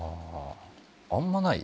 あんまない？